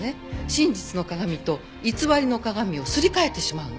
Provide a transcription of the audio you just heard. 真実の鏡と偽りの鏡をすり替えてしまうの。